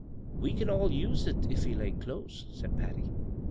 " We cau all use it if we lay close," said Patty.